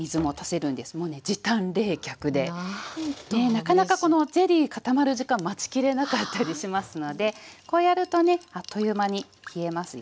なかなかこのゼリー固まる時間待ちきれなかったりしますのでこうやるとねあっという間に冷えますよ。